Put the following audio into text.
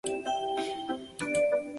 原韩国名为朴庆培。